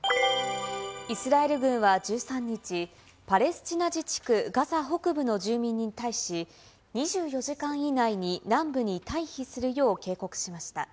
イスラエル軍は１３日、パレスチナ自治区ガザ北部の住民に対し、２４時間以内に南部に退避するよう警告しました。